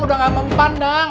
udah nggak mempan dang